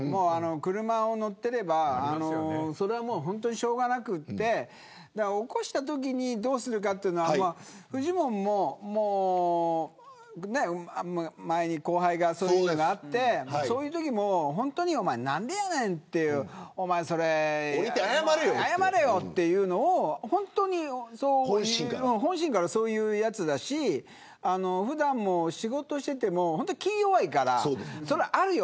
車を乗っていればそれはもう本当にしょうがなくて起こしたときにどうするかというのはフジモンも前に後輩がそういうのがあってそういうときも本当におまえ何でやねんっていう謝れよっていうのを本心から、そういうやつだし普段も仕事していても本当、気弱いからそら、あるよ